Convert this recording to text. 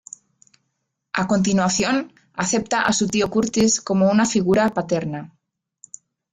A continuación, acepta a su tío Curtis como una figura paterna.